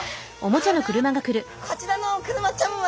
あらこちらのお車ちゃんは！